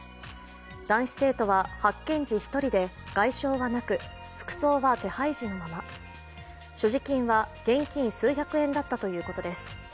男子生徒は発見時、１人で外傷はなく服装は手配時のまま、所持金は現金数百円だったということです。